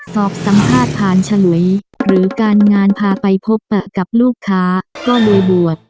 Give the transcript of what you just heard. สอบสัมภาษณ์ผ่านฉลุยหรือการงานพาไปพบปะกับลูกค้าก็เลยบวช